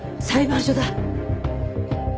裁判所だ。